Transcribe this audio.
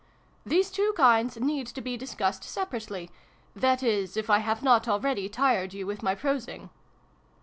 These two kinds need to be discussed separ ately that is, if I have not already tired you with my prosing